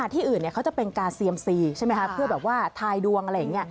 ที่อื่นเขาจะเป็นการเซียมซีใช่ไหมคะเพื่อแบบว่าทายดวงอะไรอย่างนี้